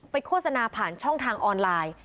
โฆษณาผ่านช่องทางออนไลน์